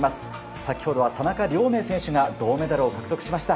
先ほどは田中亮明選手が銅メダルを獲得しました。